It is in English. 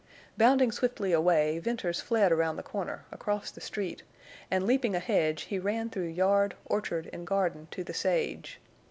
Bounding swiftly away, Venters fled around the corner, across the street, and, leaping a hedge, he ran through yard, orchard, and garden to the sage.